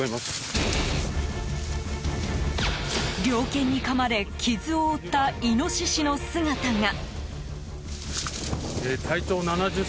猟犬にかまれ、傷を負ったイノシシの姿が。